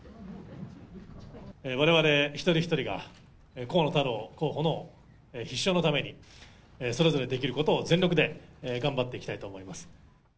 われわれ一人一人が河野太郎候補の必勝のために、それぞれできることを、全力で頑張っていきたいと思います。